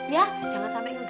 ya jangan sampe ngeganggu